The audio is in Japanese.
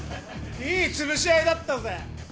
いいつぶし合いだったぜ。